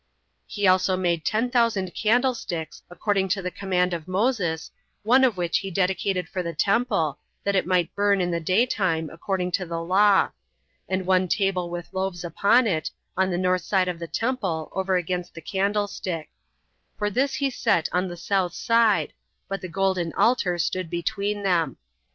He also made ten thousand candlesticks, according to the command of Moses, one of which he dedicated for the temple, that it might burn in the day time, according to the law; and one table with loaves upon it, on the north side of the temple, over against the candlestick; for this he set on the south side, but the golden altar stood between them.